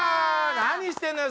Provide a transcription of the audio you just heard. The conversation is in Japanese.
何してんのよ